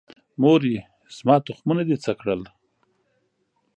مورې، زما تخمونه دې څه کړل؟